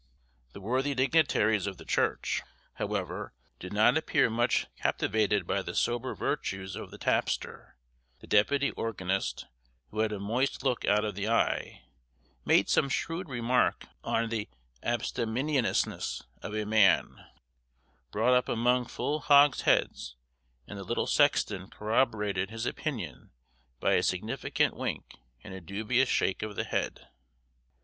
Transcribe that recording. * The worthy dignitaries of the church, however, did not appear much captivated by the sober virtues of the tapster; the deputy organist, who had a moist look out of the eye, made some shrewd remark on the abstemiousness of a man brought up among full hogsheads, and the little sexton corroborated his opinion by a significant wink and a dubious shake of the head.